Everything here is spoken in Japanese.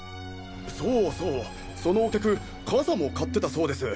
そうそうそのお客傘も買ってたそうです！